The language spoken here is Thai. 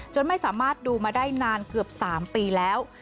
ไม่สามารถดูมาได้นานเกือบ๓ปีแล้ว